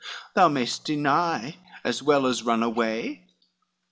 Thou may'st deny, as well as run away."